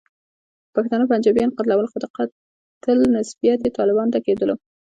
پښتانه پنجابیانو قتلول، خو د قاتل نسبیت یې طالبانو ته کېدلو.